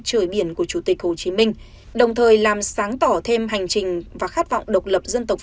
trời biển của chủ tịch hồ chí minh đồng thời làm sáng tỏ thêm hành trình và khát vọng độc lập dân tộc